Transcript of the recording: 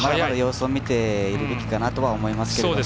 様子を見ていくべきかなと思います。